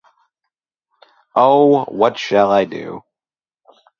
Oh, what shall I do?